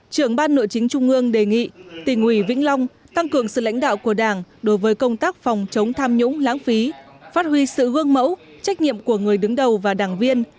trưởng ban nội chính trung ương đề nghị tỉnh ủy vĩnh long tăng cường sự lãnh đạo của đảng đối với công tác phòng chống tham nhũng lãng phí phát huy sự gương mẫu trách nhiệm của người đứng đầu và đảng viên